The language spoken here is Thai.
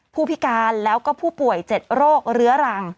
ผู้พิการแล้วก็ผู้ป่วย๗โรคเรื้อรัง